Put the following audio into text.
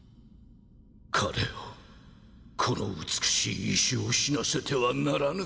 彼をこの美しい石を死なせてはならぬ。